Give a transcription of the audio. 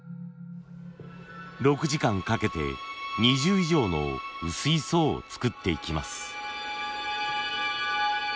６時間かけて２０以上の薄い層を作っていきます。